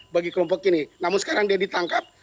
bagi kelompok ini namun sekarang dia ditangkap